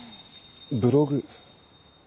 ブログ？